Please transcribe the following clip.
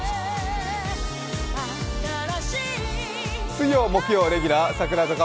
水曜・木曜レギュラー櫻坂